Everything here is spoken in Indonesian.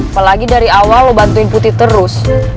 apalagi dari awal lo bantuin putri terus